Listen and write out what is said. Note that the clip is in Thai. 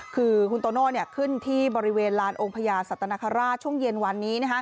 คือคุณโตโน่ขึ้นที่บริเวณลานองค์พญาสัตนคราชช่วงเย็นวันนี้